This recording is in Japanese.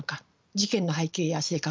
事件の背景や性格